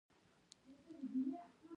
رسنۍ د خلکو ترمنځ یووالی زیاتوي.